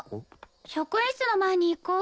職員室の前に行こう。